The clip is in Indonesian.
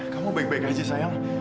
kamu baik baik aja sayang